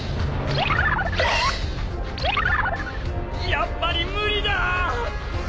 やっぱり無理だ！